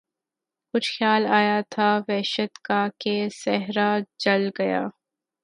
کچھ خیال آیا تھا وحشت کا کہ صحرا جل گیا